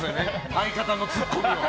相方のツッコミを。